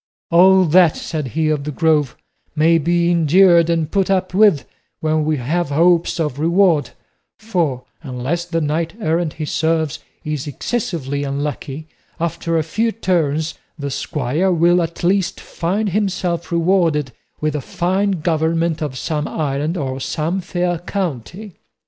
"All that," said he of the Grove, "may be endured and put up with when we have hopes of reward; for, unless the knight errant he serves is excessively unlucky, after a few turns the squire will at least find himself rewarded with a fine government of some island or some fair county."